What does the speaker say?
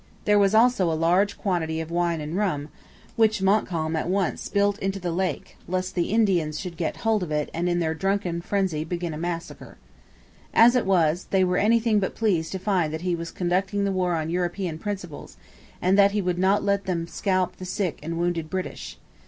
There was also a large quantity of wine and rum, which Montcalm at once spilt into the lake, lest the Indians should get hold of it and in their drunken frenzy begin a massacre. As it was, they were anything but pleased to find that he was conducting the war on European principles, and that he would not let them scalp the sick and wounded British.